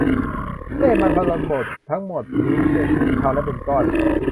เฮ้ ! มันฝรั่งบดทั้งหมดนี้เป็นสีเทาและเป็นก้อน !